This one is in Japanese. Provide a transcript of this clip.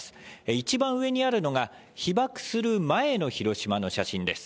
一番上にあるのが、被爆する前の広島の写真です。